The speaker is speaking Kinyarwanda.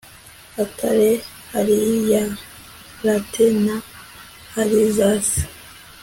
atale, ariyarate na arizase